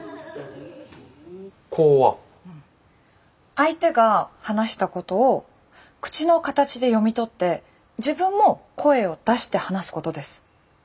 相手が話したことを口の形で読み取って自分も声を出して話すことです。